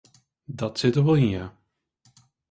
Dat sit der wol yn ja.